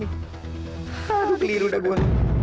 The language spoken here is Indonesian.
aduh keliru dah gue